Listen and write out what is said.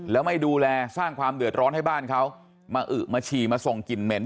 แล้วไม่ดูแลสร้างความเดือดร้อนให้บ้านเขามาอึมาฉี่มาส่งกลิ่นเหม็น